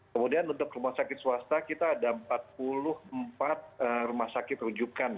kemudian untuk rumah sakit swasta kita ada empat puluh empat rumah sakit rujukan